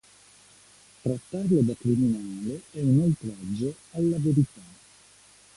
Trattarlo da criminale è un oltraggio alla verità".